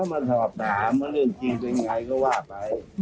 ก็พักก็มาสอบถามว่าเรื่องจริงเมื่อไงก็ว่าไป